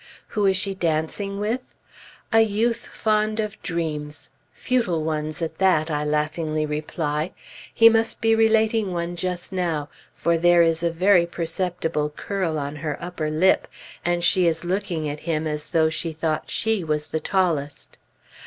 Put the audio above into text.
Who is she dancing with? A youth fond of "dreams"; futile ones, at that, I laughingly reply. He must be relating one just now, for there is a very perceptible curl on her upper lip, and she is looking at him as though she thought she was the tallest.